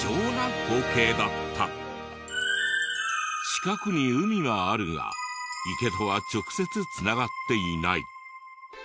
近くに海があるが池とは直接繋がっていない。